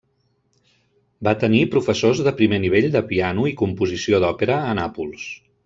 Va tenir professors de primer nivell de piano i composició d'òpera a Nàpols.